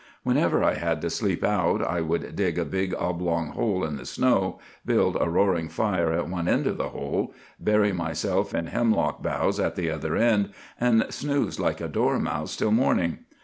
Whenever I had to sleep out, I would dig a big oblong hole in the snow, build a roaring fire at one end of the hole, bury myself in hemlock boughs at the other end, and snooze like a dormouse till morning.